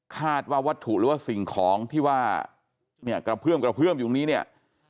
คาดว่าวัตถุหรือว่าสิ่งของที่ว่าเนี่ยกระเพื่อมกระเพื่อมอยู่ตรงนี้เนี่ย